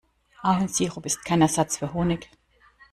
Ahornsirup ist kein Ersatz für Honig.